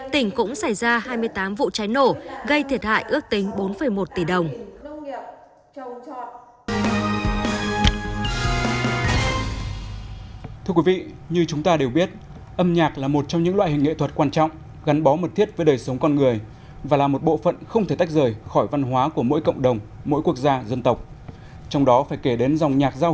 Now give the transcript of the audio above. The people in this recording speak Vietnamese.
tỉnh cũng xảy ra hai mươi tám vụ trái nổ gây thiệt hại ước tính bốn một tỷ đồng